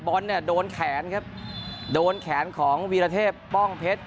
บอลเนี่ยโดนแขนครับโดนแขนของวีรเทพป้องเพชร